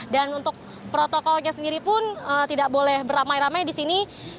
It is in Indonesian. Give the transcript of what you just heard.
dan untuk protokolnya sendiri pun tidak boleh beramai ramai di sini